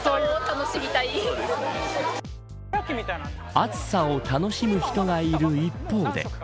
暑さを楽しむ人がいる一方で。